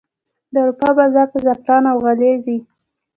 د اروپا بازار ته زعفران او غالۍ ځي